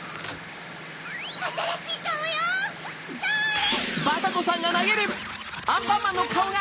・あたらしいカオよそれ！